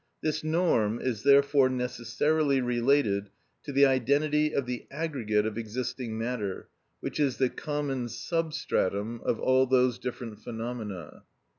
This norm is therefore necessarily related to the identity of the aggregate of existing matter, which is the common substratum of all those different phenomena.